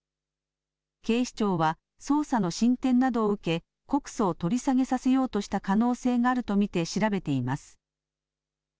警視庁は捜査の進展などを受け告訴を取り下げさせようとした可能性があると見て調べています。